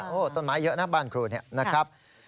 โอ้โหต้นไม้เยอะนะบ้านครูเนี่ยนะครับ